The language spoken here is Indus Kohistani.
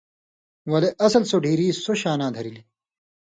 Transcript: ولے اصل سو ڈھیری سو شاناں دھرِلیۡ۔